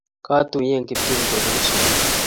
Katuye Kiptum kobunu sukul